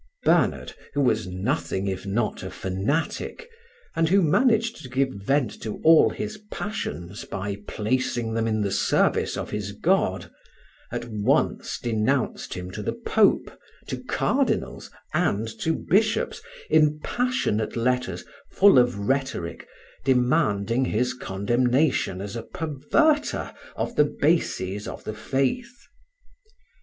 Bernard, who was nothing if not a fanatic, and who managed to give vent to all his passions by placing them in the service of his God, at once denounced him to the Pope, to cardinals, and to bishops, in passionate letters, full of rhetoric, demanding his condemnation as a perverter of the bases of the faith.